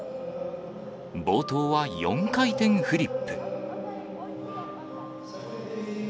冒頭は４回転フリップ。